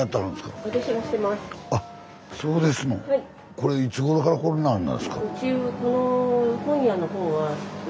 これいつごろからこんなんなんですか？